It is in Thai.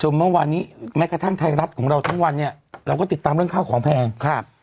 เมื่อวานนี้แม้กระทั่งไทยรัฐของเราทั้งวันเนี่ยเราก็ติดตามเรื่องข้าวของแพงครับ